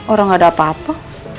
orang ada apa apa